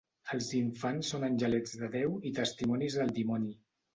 Els infants són angelets de Déu i testimonis del dimoni.